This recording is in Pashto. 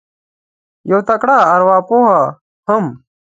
یو تکړه اروا پوه هم